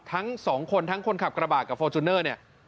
ทั้ง๒คนทั้งคนขับกระบาดกับฟอร์ทชูนเนอร์